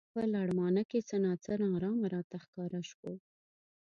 په لړمانه کې څه نا څه نا ارامه راته ښکاره شو.